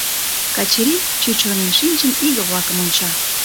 Качырий, чӱчырнен шинчын, иге-влакым онча.